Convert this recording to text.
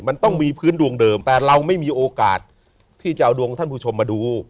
มันต้องมีพื้นดวงเดิมแต่เราไม่มีโอกาสที่จะเอาดวงท่านผู้ชมมาดู